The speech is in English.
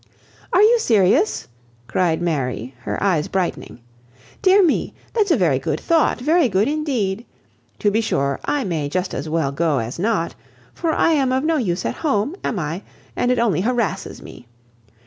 "Are you serious?" cried Mary, her eyes brightening. "Dear me! that's a very good thought, very good, indeed. To be sure, I may just as well go as not, for I am of no use at home—am I? and it only harasses me.